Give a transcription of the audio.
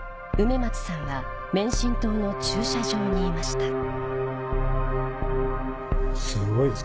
梅松さんは免震棟の駐車場にいました